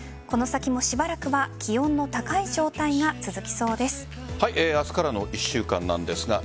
この先もしばらくは気温の高い状態が続きそうです。